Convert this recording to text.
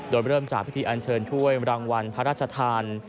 โดยเริ่มจากพิธีอันเชิญถ้วยรางวัลพระราชทาน